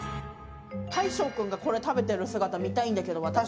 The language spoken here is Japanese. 大昇君が、これ食べてる姿見たいんだけど。